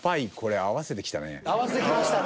合わせてきましたね。